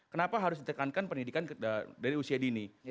kenapa harus ditekankan pendidikan dari usia dini